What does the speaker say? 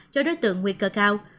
cho đối tượng nguy cơ cao